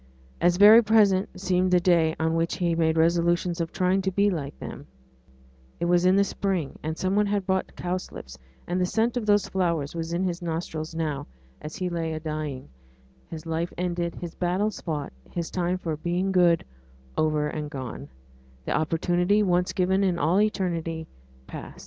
As very present seemed the day on which he made resolutions of trying to be like them; it was in the spring, and some one had brought in cowslips; and the scent of those flowers was in his nostrils now, as he lay a dying his life ended, his battles fought, his time for 'being good' over and gone the opportunity, once given in all eternity, past.